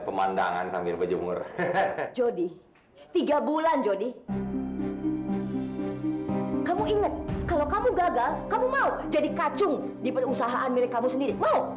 pemandangan sambil berjemur